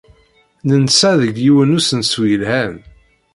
Nensa deg yiwen n usensu yelhan.